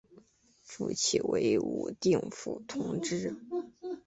复起为武定府同知。